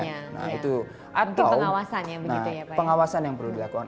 nah itu pengawasan yang perlu dilakukan